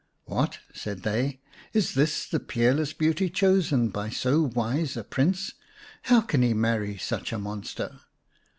"What!" said they. " Is this the peerless beauty chosen by so wise a Prince ? How can he marry such a monster